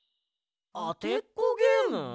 あてっこゲーム？